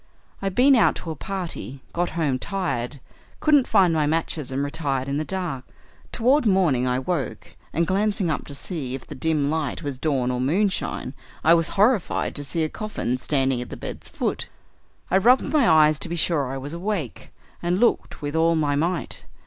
I'd been out to a party, got home tired, couldn't find my matches, and retired in the dark. Toward morning I woke, and glancing up to see if the dim light was dawn or moonshine I was horrified to see a coffin standing at the bed's foot. I rubbed my eyes to be sure I was awake, and looked with all my might.